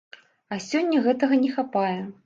А сёння гэтага не хапае.